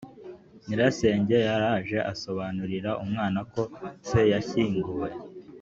nyirasenge yaraje asobanurira umwana ko se yashyinguwe